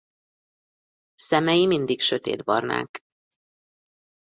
Szemei mindig sötétbarnák.